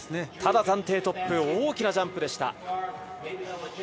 ただ、暫定トップ、大きなジャンプでした。